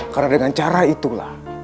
karena dengan cara itulah